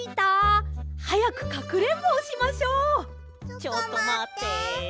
ちょっとまって。